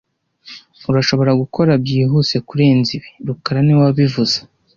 Urashobora gukora byihuse kurenza ibi rukara niwe wabivuze